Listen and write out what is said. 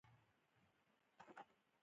دښتې د افغانانو ژوند اغېزمن کوي.